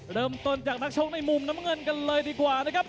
เริ่มต้นจากนักชกในมุมน้ำเงินกันเลยดีกว่านะครับ